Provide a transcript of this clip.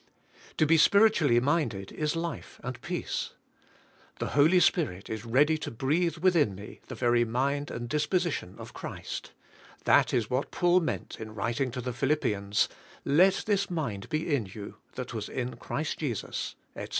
To be spiritually minded is life and peace. The Holy Spirit is ready to breathe within me the very mind and disposition of Christ; that is what Paul meant in writing to the Philipi ans, "Let this mind be in you that was in Christ Jesus," etc.